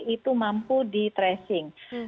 itu mampu di tracing